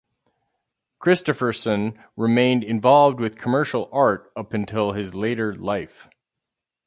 Christopherson remained involved with commercial art up until his later life.